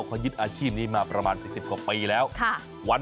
เขายึดอาชีพนี้มาประมาณ๔๖ปีแล้วค่ะ